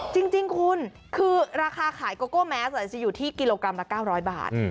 จริงคุณคือราคาขายโกโก้แมสจะอยู่ที่กิโลกรัมละ๙๐๐บาท